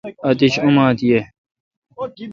آتش اوماتھ ییں۔